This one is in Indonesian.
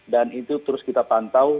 dan itu terus kita pantau